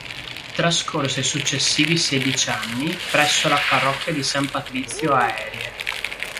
Trascorse i successivi sedici anni presso la parrocchia di San Patrizio a Erie.